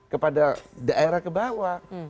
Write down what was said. kepada daerah kebawah